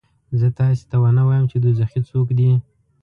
زه تاسې ته ونه وایم چې دوزخي څوک دي؟